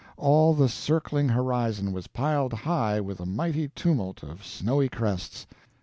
All the circling horizon was piled high with a mighty tumult of snowy crests.